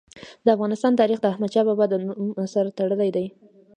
د افغانستان تاریخ د احمد شاه بابا د نوم سره تړلی دی.